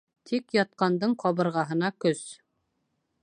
Тик ятҡандың ҡабырғаһына көс.